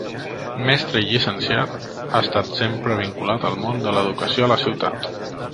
Mestre i llicenciat, ha estat sempre vinculat al món de l'educació a la ciutat.